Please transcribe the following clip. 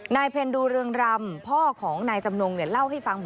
เพ็ญดูเรืองรำพ่อของนายจำนงเล่าให้ฟังบอก